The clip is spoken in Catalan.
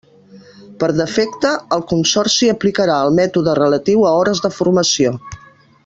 Per defecte, el Consorci aplicarà el mètode relatiu a hores de formació.